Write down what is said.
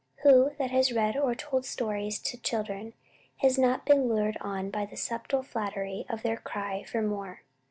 Who that has read or told stories to children has not been lured on by the subtle flattery of their cry for "more"?